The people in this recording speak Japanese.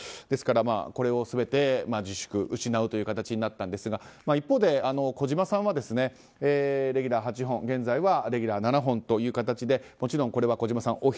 ですからこれを全て自粛失うという形になったんですが一方で児嶋さんはレギュラー８本現在はレギュラー７本という形でもちろんこれは児嶋さん